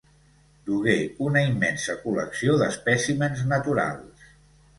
Dugué una immensa col·lecció d'espècimens naturals.